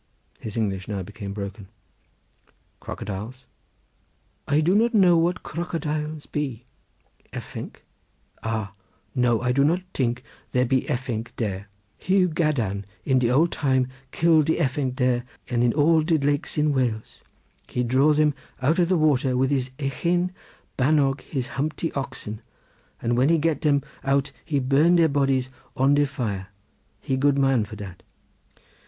His English now became broken. "Crocodiles?" "I do not know what cracadailes be." "Efync?" "Ah! No I do not tink there be efync dere. Hu Gadarn in de old time kill de efync dere and in all de lakes in Wales. He draw them out of the water with his ychain banog his humpty oxen, and when he get dem out he burn deir bodies on de fire, he good man for dat."